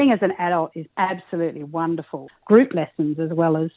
mereka sangat terdapat di sebagian besar tempat di australia